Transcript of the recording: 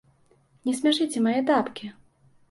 Не смяшыце мае тапкі!